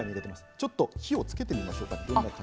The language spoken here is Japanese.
ちょっと火をつけてみましょうか。